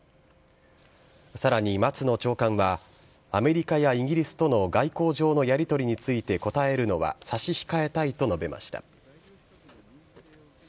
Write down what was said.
さらに松野長官はアメリカやイギリスとの外交上のやり取りについて答えるのは差し控えたいと述べました。